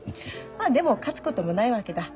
まあでも勝つこともないわけだ。